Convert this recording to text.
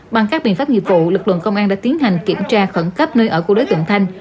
bằng các biện pháp nghiệp vụ lực lượng công an đã tiến hành kiểm tra khẩn cấp nơi ở của đối tượng thanh